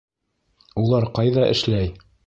Улар ҡайҙа эшләй?